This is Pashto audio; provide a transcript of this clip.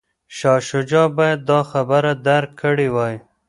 شاه شجاع باید دا خبره درک کړې وای.